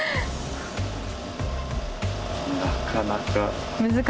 なかなか。